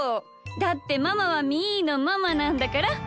だってママはみーのママなんだから。